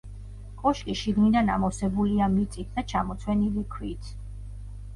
კოშკი შიგნიდან ამოვსებულია მიწით და ჩამოცვენილი ქვით.